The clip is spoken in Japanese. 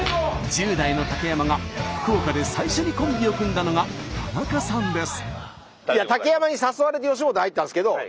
１０代の竹山が福岡で最初にコンビを組んだのが田中さんです。